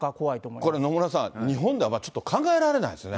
これ、野村さん、日本ではちょっと考えられないですね。